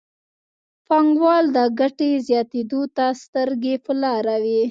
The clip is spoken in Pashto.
پانګوال د ګټې زیاتېدو ته سترګې په لاره وي.